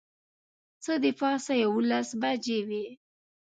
څه د پاسه یوولس بجې وې.